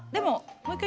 もう一回。